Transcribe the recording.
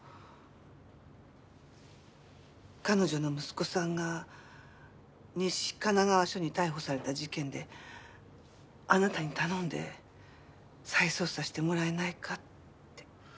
彼女の息子さんが西神奈川署に逮捕された事件であなたに頼んで再捜査してもらえないかって。